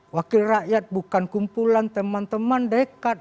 wakil rakyat bukan kumpulan teman teman dekat